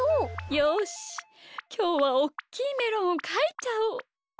よしきょうはおっきいメロンをかいちゃおう。